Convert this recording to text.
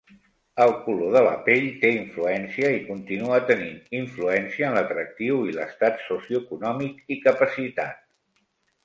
El color de la pell té influència i continua tenint influència en l'atractiu i l'estat socioeconòmic i capacitat.